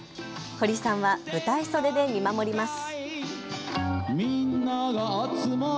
堀さんは舞台袖で見守ります。